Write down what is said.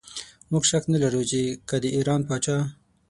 موږ شک نه لرو چې که د ایران پاچا.